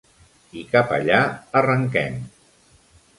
I cap allà arrenquem.